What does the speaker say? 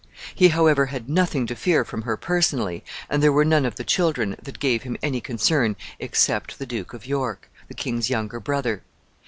He, however, had nothing to fear from her personally, and there were none of the children that gave him any concern except the Duke of York, the king's younger brother.